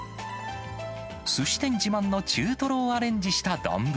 すし店自慢の中トロをアレンジした丼。